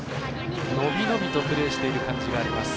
伸び伸びとプレーしている感じがあります。